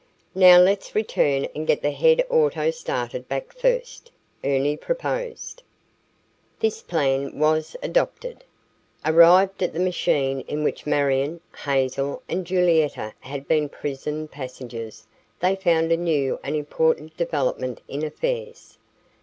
"Now let's return and get the head auto started back first," Ernie proposed. This plan was adopted. Arrived at the machine in which Marion, Hazel and Julietta had been prison passengers, they found a new and important development in affairs.